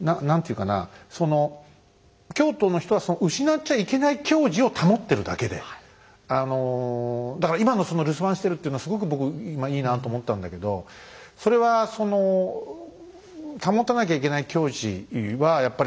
その京都の人は失っちゃいけない矜持を保ってるだけでだから今のその「留守番してる」っていうのはすごく僕今いいなあと思ったんだけどそれはその今の京都の魅力がね